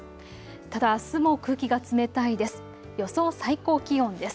ただ、あすも空気が冷たいです。